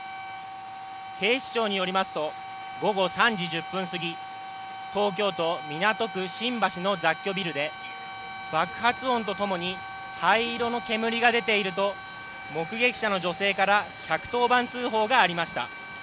警視庁によりますと、午後３時１０分すぎ東京・港区新橋の雑居ビルで爆発音とともに灰色の煙が出ていると目撃者の女性から１１０番通報がありました。